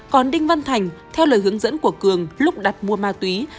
còn đinh văn thành theo lời hướng dẫn của cường lúc đặt mua ma túy